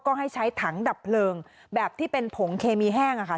ก็ให้ใช้ถังดับเพลิงแบบที่เป็นผงเคมีแห้งค่ะ